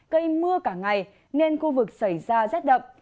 cây mưa cả ngày nên khu vực xảy ra rét đậm